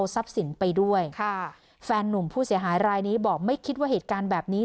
ทรัพย์สินไปด้วยค่ะแฟนนุ่มผู้เสียหายรายนี้บอกไม่คิดว่าเหตุการณ์แบบนี้